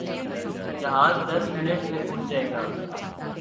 جہاز دس منٹ میں اڑ جائے گا۔